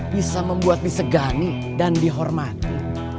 bisa membuat disegani dan dihormati